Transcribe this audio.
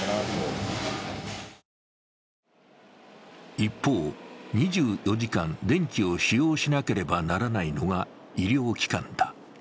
一方、２４時間電気を使用しなければならないのが、医療機関だ。